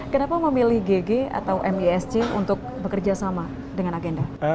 kenapa memilih gg atau misc untuk bekerja sama dengan agenda